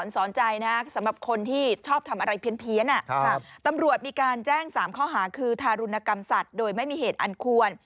โหโหโหโหโหโหโหโหโหโหโหโหโหโหโหโหโห